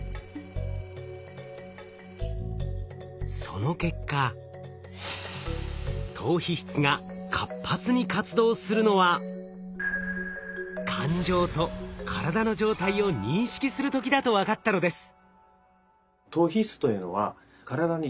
その結果島皮質が活発に活動するのは感情と体の状態を認識する時だと分かったのです。